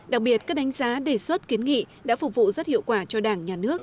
đặc biệt các đánh giá đề xuất kiến nghị đã phục vụ rất hiệu quả cho đảng nhà nước